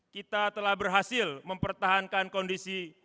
kita telah berhasil mempertahankan kondisi